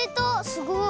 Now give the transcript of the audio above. すごい。